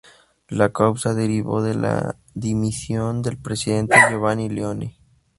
La causa derivó de la dimisión del presidente Giovanni Leone.